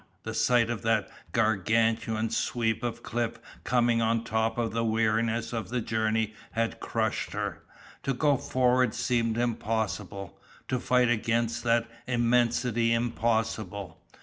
The sight of that gargantuan sweep of cliff coming on top of the weariness of the journey had crushed her. To go forward seemed impossible, to fight against that immensity impossible.